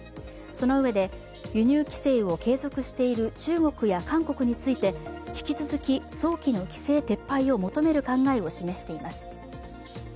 そのうえで、輸入規制を継続している中国や韓国について引き続き早期の規制撤廃を求める考えを示しています。